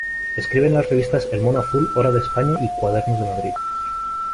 Escribe en las revistas "El mono azul", "Hora de España" y "Cuadernos de Madrid".